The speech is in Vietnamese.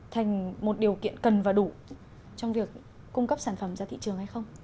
thành một điều kiện cần và đủ trong việc cung cấp sản phẩm ra thị trường hay không